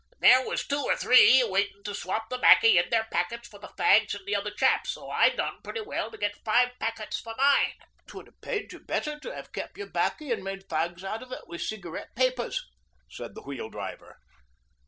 'There was two or three wantin' to swap the 'baccy in their packets for the fags in the other chaps', so I done pretty well to get five packets for mine.' ''Twould 'a' paid you better to 'ave kep' your 'baccy and made fags out o' it wi' cig'rette papers,' said the Wheel Driver.